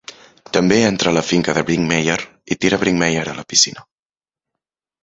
També entra a la finca de Brinkmeyer i tira Brinkmeyer a la piscina.